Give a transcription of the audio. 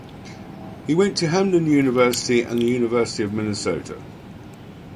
He went to Hamline University and University of Minnesota.